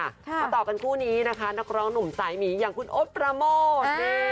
มาต่อกันคู่นี้นะคะนักร้องหนุ่มสายหมีอย่างคุณโอ๊ตประโมท